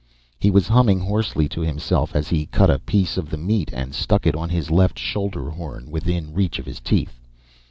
He was humming hoarsely to himself as he cut a piece of the meat and stuck it on his left shoulder horn, within reach of his teeth.